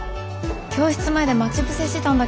教室前で待ち伏せしてたんだけどさ